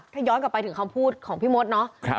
ถ้าย้อนกลับไปถึงคำพูดของพี่มดเนาะ